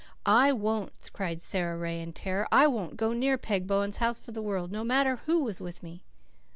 "I won't," cried Sara Ray in terror. "I wouldn't go near Peg Bowen's house for the world, no matter who was with me."